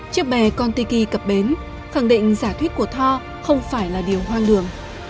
chiếc bè kon tiki cập bến khẳng định giả thuyết của thor không phải là điều hoang đường